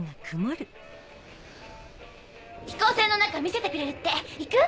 飛行船の中見せてくれるって行く？